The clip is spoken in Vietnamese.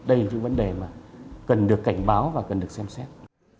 đây là những vấn đề mà cần được cảnh báo và cần được xem xét